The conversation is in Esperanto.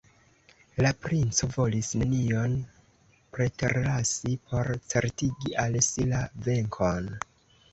La princo volis nenion preterlasi por certigi al si la venkon.